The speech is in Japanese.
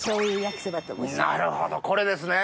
なるほどこれですね。